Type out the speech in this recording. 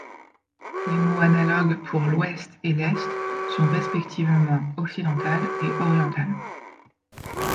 Les mots analogues pour l'ouest et l'est sont respectivement occidental et oriental.